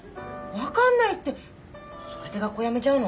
分かんないってそれで学校やめちゃうの？